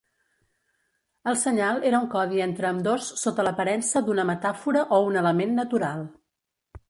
El senyal era un codi entre ambdós sota l'aparença d'una metàfora o un element natural.